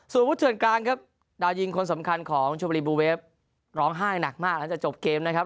ส่วนวุฒเถื่อนกลางครับดาวยิงคนสำคัญของชมบุรีบูเวฟร้องไห้หนักมากหลังจากจบเกมนะครับ